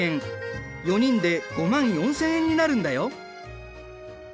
４人で５万４，０００円になるんだよ。